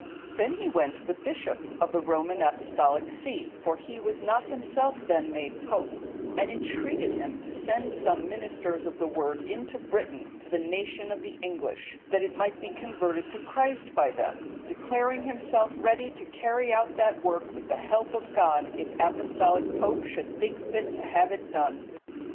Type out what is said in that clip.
Then he went to the bishop of the Roman Apostolic see(161) (for he was not himself then made pope), and entreated him to send some ministers of the Word into Britain to the nation of the English, that it might be converted to Christ by them; declaring himself ready to carry out that work with the help of God, if the Apostolic Pope should think fit to have it done.